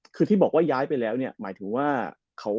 คือที่บอกว่าย้ายไปแล้วเนี่ยหมายถึงว่าเขา